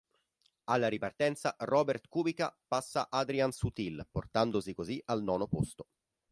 Alla ripartenza Robert Kubica passa Adrian Sutil portandosi così al nono posto.